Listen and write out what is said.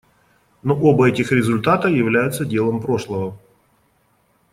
Но оба этих результата являются делом прошлого.